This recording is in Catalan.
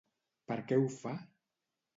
Per què ho fa?